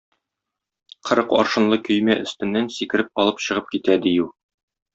Кырык аршынлы койма өстеннән сикереп алып чыгып китә дию.